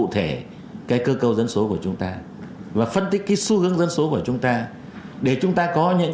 thì việt nam chỉ mất từ hai mươi